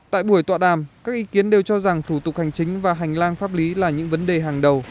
tại buổi tọa đàm các ý kiến đều cho rằng thủ tục hành chính và hành lang pháp lý là những vấn đề hàng đầu